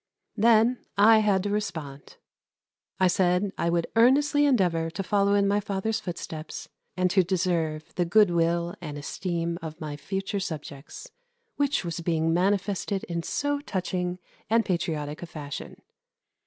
Then I had to respond. I said I would earnestly endeavour to follow in my father's footsteps and to deserve the good will and esteem of my future subjects, which was being manifested in so touching and patriotic a fashion.